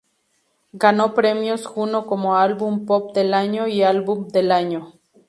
Ganó Premios Juno como Álbum Pop del Año y Álbum del Año.